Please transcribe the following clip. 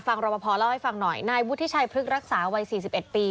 รบพอเล่าให้ฟังหน่อยนายวุฒิชัยพฤกษรักษาวัย๔๑ปี